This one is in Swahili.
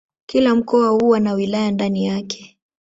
Kila mkoa huwa na wilaya ndani yake.